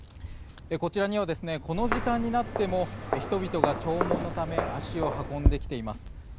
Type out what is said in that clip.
こちらには、この時間になっても人々が弔問のため足を運んできています。